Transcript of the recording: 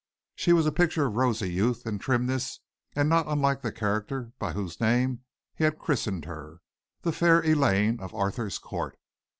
She was a picture of rosy youth and trimness and not unlike the character by whose name he had christened her the fair Elaine of Arthur's court.